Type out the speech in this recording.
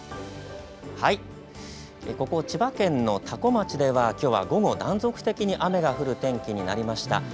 ここ千葉県の多古町では午後、断続的に雨が降る天気になりました。